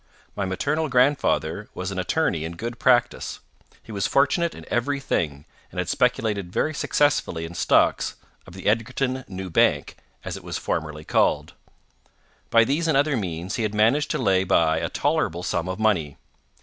My maternal grandfather was an attorney in good practice. He was fortunate in every thing, and had speculated very successfully in stocks of the Edgarton New Bank, as it was formerly called. By these and other means he had managed to lay by a tolerable sum of money.